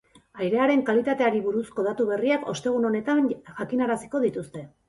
Airearen kalitateari buruzko datu berriak ostegun honetan jakinaraziko dituzte.